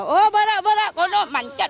oh banyak banyak kalau ada pancat